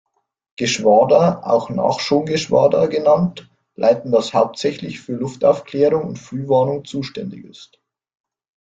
Geschwader, auch Nachschon-Geschwader genannt, leiten, das hauptsächlich für Luftaufklärung und Frühwarnung zuständig ist.